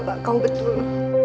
bapak kau betul